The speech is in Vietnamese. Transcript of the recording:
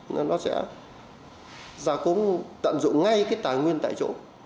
nó sẽ ra cố tận dụng ngay cái tài nguyên tại chỗ